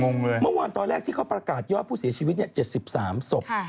งงเลยเมื่อวานตอนแรกที่เขาประกาศยอดผู้เสียชีวิต๗๓ศพ